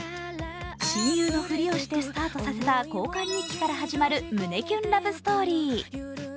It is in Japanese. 親友のふりをしてスタートさせた交換日記から始まる胸キュンラブストーリー。